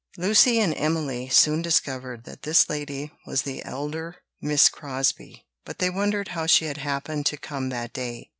Lucy and Emily soon discovered that this lady was the elder Miss Crosbie; but they wondered how she had happened to come that day.